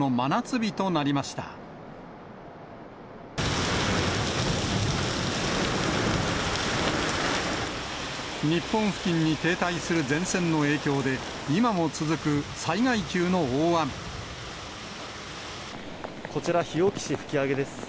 日本付近に停滞する前線の影響で、こちら、日置市吹上です。